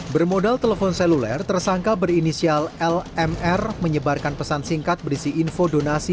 bermodal telepon seluler tersangka berinisial lmr menyebarkan pesan singkat berisi info donasi